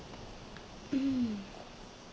うん。